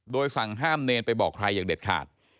โดยสั่งห้ามเนรไปบอกใครอย่างเด็ดขาด